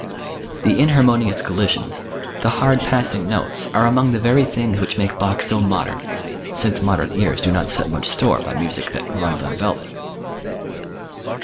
The "inharmonious collisions," the "hard passing notes" are among the very things which make Bach so modern; since modern ears do not set much store by music that "runs on velvet."